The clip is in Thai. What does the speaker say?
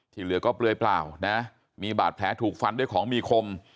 เหลือก็เปลือยเปล่านะมีบาดแผลถูกฟันด้วยของมีคม